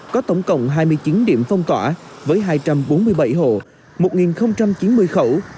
có tổng cộng hai mươi chín điểm phong tỏa với hai trăm bốn mươi bảy hộ một chín mươi khẩu